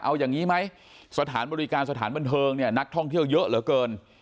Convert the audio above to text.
เอาอย่างนี้ไหมสถานบริการสถานบันเทิงเนี่ยนักท่องเที่ยวเยอะเหลือเกิน